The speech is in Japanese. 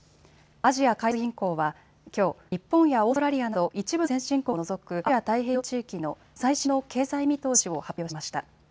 アジア開発銀行は、きょう日本やオーストラリアなど一部の先進国を除くアジア太平洋地域の最新の経済見通しを発表しました。